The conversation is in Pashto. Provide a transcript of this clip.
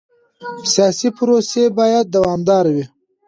سیاسي پروسې باید دوامداره وي